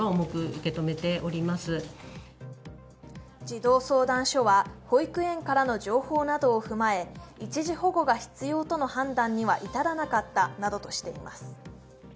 児童相談所は、保育園からの情報などを踏まえ一時保護が必要との判断には至らなかったなどとしています。